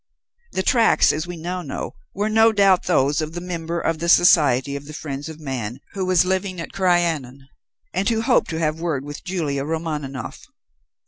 The tracks, as we now know, were no doubt those of the member of the Society of the Friends of Man who was living at Crianan, and who hoped to have word with Julia Romaninov.